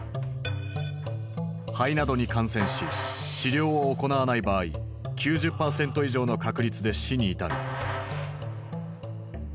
肺などに感染し治療を行わない場合９０％以上の確率で死に至る。